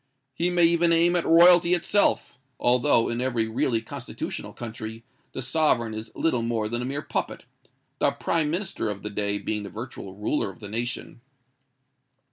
He may even aim at royalty itself—although, in every really constitutional country, the sovereign is little more than a mere puppet, the Prime Minister of the day being the virtual ruler of the nation.